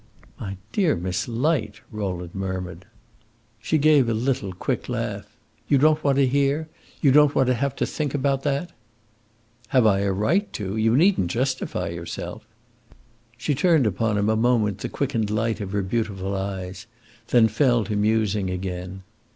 "My dear Miss Light!" Rowland murmured. She gave a little, quick laugh. "You don't want to hear? you don't want to have to think about that?" "Have I a right to? You need n't justify yourself." She turned upon him a moment the quickened light of her beautiful eyes, then fell to musing again.